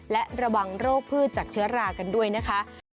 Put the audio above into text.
และระวังโรคพืชจากเชื้อรากันด้วยนะคะ